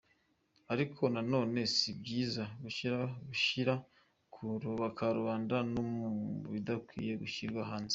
Ariko na none si byiza kwishyira ku karubanda no mu bidakwiye gushyirwa hanze.